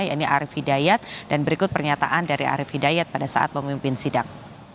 yaitu arief hidayat dan berikut pernyataan dari arief hidayat pada saat memimpin sidang